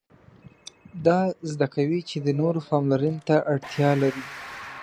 دا زده کوي چې د نورو پاملرنې ته اړتیا لري.